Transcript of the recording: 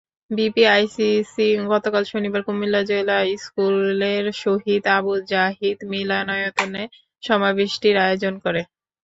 BPICC গতকাল শনিবার কুমিল্লা জিলা স্কুলের শহীদ আবু জাহিদ মিলনায়তনে সমাবেশটির আয়োজন করে।